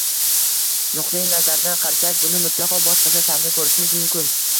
nuqtai nazaridan qarasak, buni mutlaqo boshqacha tarzda ko‘rishimiz mumkin: